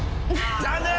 残念！